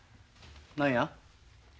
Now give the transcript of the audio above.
何や？